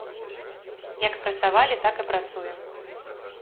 Як працавалі, так і працуем.